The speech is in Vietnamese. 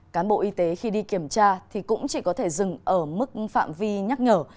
cán bộ y tế khi đi kiểm tra thì cũng chỉ có thể dừng ở mức phạm vi nhắc nhở